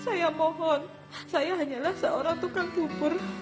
saya mohon saya hanyalah seorang tukang cukur